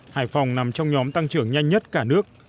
hải phòng nằm trong nhóm tăng trưởng nhanh nhất cả nước